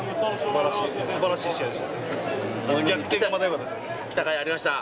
素晴らしい試合でした。